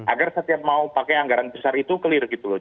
agar setiap mau pakai anggaran besar itu clear gitu loh